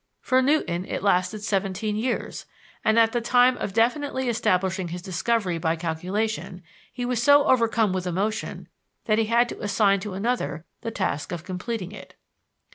For Newton it lasted seventeen years, and at the time of definitely establishing his discovery by calculation he was so overcome with emotion that he had to assign to another the task of completing it.